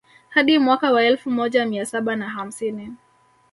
Hadi mwaka wa elfu moja mia saba na hamsini